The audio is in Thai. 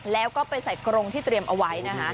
แล้วก็ไปใส่กรงที่เตรียมเอาไว้นะคะ